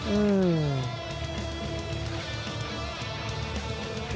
โอ้โห